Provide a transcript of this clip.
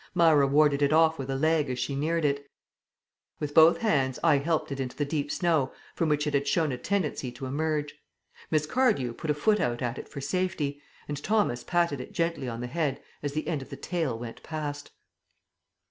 Myra warded it off with a leg as she neared it; with both hands I helped it into the deep snow from which it had shown a tendency to emerge; Miss Cardew put a foot out at it for safety; and Thomas patted it gently on the head as the end of the "tail" went past....